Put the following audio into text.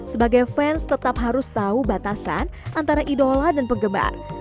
sebagai fans tetap harus tahu batasan antara idola dan penggemar